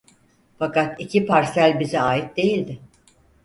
Fakat iki parsel bize ait değildi.